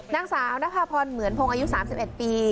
นางสาวนภาพพรเหมือนพงศ์อายุสามสิบเอ็ดปี